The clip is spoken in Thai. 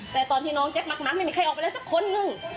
แต่ตอนที่น้องเจ็บมักน้ำไม่มีใครออกไปเลยสักคนนึง